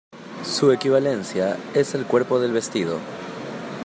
Su equivalencia es el cuerpo del vestido.